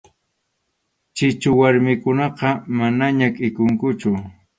Chichu warmikunaqa manaña kʼikunkuchu.